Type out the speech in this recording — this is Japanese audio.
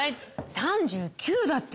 ３９だって。